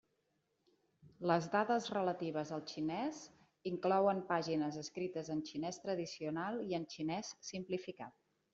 Les dades relatives al xinès inclouen pàgines escrites en xinès tradicional i en xinès simplificat.